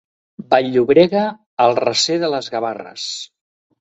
Vall-llobrega, el recer de les Gavarres.